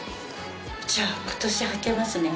じゃあ今年はけますね。